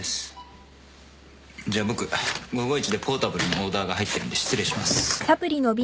じゃあ僕午後一でポータブルのオーダーが入ってるんで失礼します。